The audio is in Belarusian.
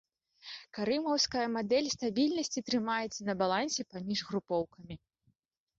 Карымаўская мадэль стабільнасці трымаецца на балансе паміж групоўкамі.